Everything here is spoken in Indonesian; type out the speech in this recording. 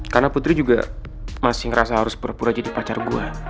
karena putri juga masih ngerasa harus berpura jadi pacar gue